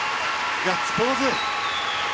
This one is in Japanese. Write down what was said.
ガッツポーズ。